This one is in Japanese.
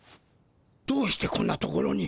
どうしてこんなところに？